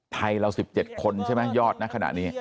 ไทยเรา๑๗คนใช่ไหมยอดนะขณะนี้